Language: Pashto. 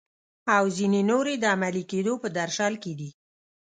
او ځینې نورې د عملي کیدو په درشل کې دي.